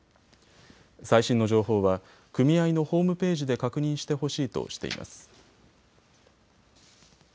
最新の情報は組合のホームページで確認してほしいとしています。